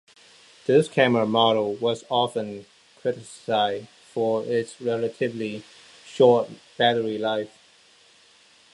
This camera model was often criticized for its relatively short battery life.